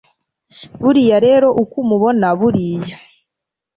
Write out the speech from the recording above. buriya rero uko umubona kuriya